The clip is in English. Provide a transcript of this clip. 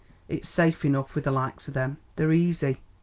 It's safe enough with the likes o' them. They're easy."